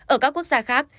ở các quốc gia khác